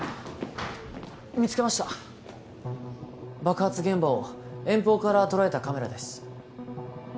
見つけました爆発現場を遠方から捉えたカメラです